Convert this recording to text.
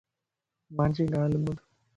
مانجي ڳالھه ٻڌ